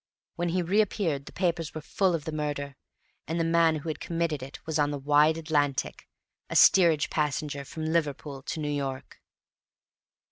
When he reappeared the papers were full of the murder; and the man who had committed it was on the wide Atlantic, a steerage passenger from Liverpool to New York.